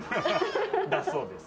だ、そうです。